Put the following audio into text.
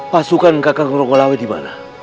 pasukan kakang renggolawe dimana